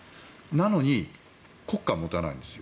なのに、国家を持たないんです。